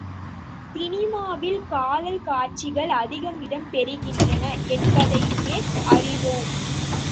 சினிமாவில் காதல் காட்சிகள் அதிகம் இடம் பெறுகின்றன என்பதையுமே அறிவோம்.